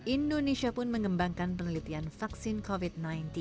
indonesia pun mengembangkan penelitian vaksin covid sembilan belas